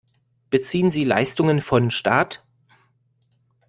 Beziehen sie Leistungen von Staat?